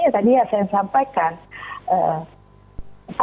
yang tadi saya sampaikan